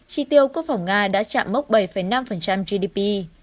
chi tiêu quốc phòng nga đã chạm mốc bảy năm gdp